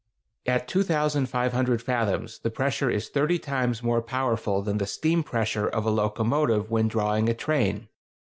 At 2500 fathoms the pressure is thirty times more powerful than the steam pressure of a locomotive when drawing a train.